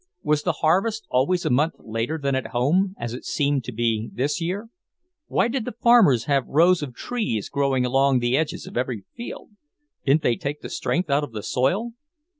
Was the harvest always a month later than at home, as it seemed to be this year? Why did the farmers have rows of trees growing along the edges of every field didn't they take the strength out of the soil?